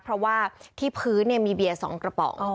เพราะว่าที่พื้นเนี่ยมีเบียร์สองกระป๋องอ๋อ